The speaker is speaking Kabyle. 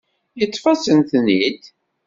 Yeṭṭef-asent-ten-id.